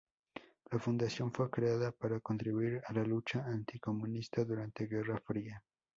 La fundación fue creada para contribuir a la lucha anticomunista durante Guerra Fría.